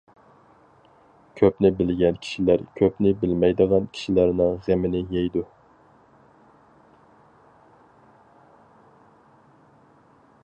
كۆپنى بىلگەن كىشىلەر كۆپنى بىلمەيدىغان كىشىلەرنىڭ غېمىنى يەيدۇ.